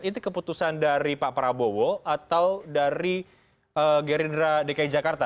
itu keputusan dari pak prabowo atau dari gerindra dki jakarta